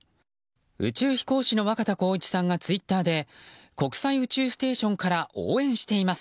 宇宙飛行士の若田光一さんがツイッターで国際宇宙ステーションから応援しています！